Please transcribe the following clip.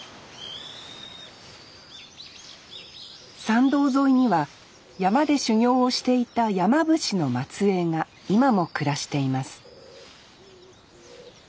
参道沿いには山で修行をしていた山伏の末えいが今も暮らしています